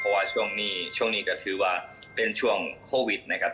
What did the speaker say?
เพราะว่าช่วงนี้ช่วงนี้ก็ถือว่าเป็นช่วงโควิดนะครับ